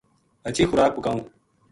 ہچھی خوراک پکاؤں